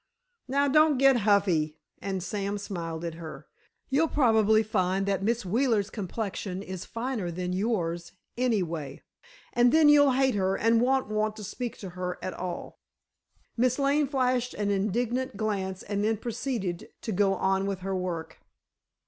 "Now, don't get huffy," and Sam smiled at her; "you'll probably find that Miss Wheeler's complexion is finer than yours, anyway, and then you'll hate her and won't want to speak to her at all." Miss Lane flashed an indignant glance and then proceeded to go on with her work.